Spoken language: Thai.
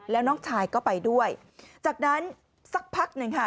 แล้วน้องชายก็ไปด้วยจากนั้นสักพักหนึ่งค่ะ